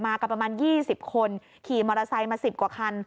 กับประมาณ๒๐คนขี่มอเตอร์ไซค์มา๑๐กว่าคัน